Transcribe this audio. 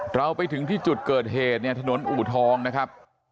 เราไปถึงที่จุดเกิดเหตุเนี่ยถนนอูทองนะครับ